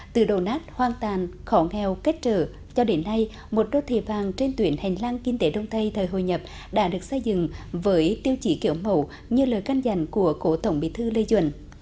từ đầu nát hoang tàn khó nghèo kết trở cho đến nay một đốt thề vàng trên tuyển hành lang kinh tế đông tây thời hồi nhập đã được xây dựng với tiêu chỉ kiểu mẫu như lời can dành của cổ tổng bị thư lê duẩn